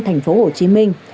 thành phố hồ chí minh